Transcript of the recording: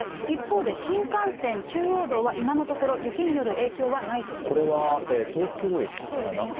一方で新幹線、中央道は今のところ、雪による影響はないというここれは東京駅かな。